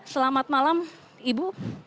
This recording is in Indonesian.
selamat malam ibu